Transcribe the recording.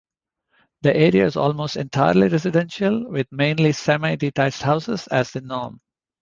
The area is almost entirely residential, with mainly semi-detached houses as the norm.